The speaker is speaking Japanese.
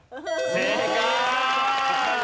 正解！